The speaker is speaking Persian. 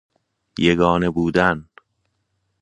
یگانه بودن